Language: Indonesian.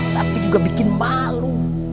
tapi juga bikin malu